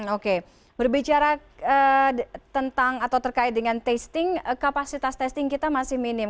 oke berbicara tentang atau terkait dengan testing kapasitas testing kita masih minim